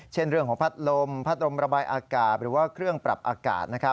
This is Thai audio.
เช่นเรื่องของพัดลมพัดลมระบายอากาศหรือว่าเครื่องปรับอากาศ